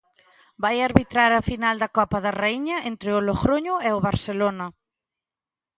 Vai arbitrar a final da Copa da Raíña entre o Logroño e o Barcelona.